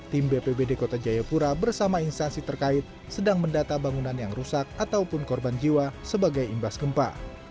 tim bpbd kota jayapura bersama instansi terkait sedang mendata bangunan yang rusak ataupun korban jiwa sebagai imbas gempa